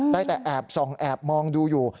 ได้แต่แอบส่องแอบมองดูอยู่